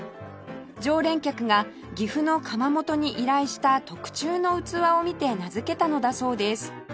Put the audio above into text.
常連客が岐阜の窯元に依頼した特注の器を見て名付けたのだそうです